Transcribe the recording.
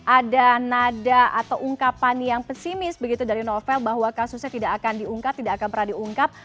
ada nada atau ungkapan yang pesimis begitu dari novel bahwa kasusnya tidak akan diungkap tidak akan pernah diungkap